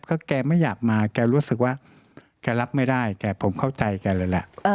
ก็แกไม่อยากมาแกรู้สึกว่าแกรับไม่ได้แต่ผมเข้าใจแกเลยแหละ